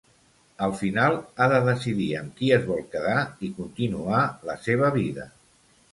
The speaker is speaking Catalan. Al final ha de decidir amb qui es vol quedar i continuar la seva vida.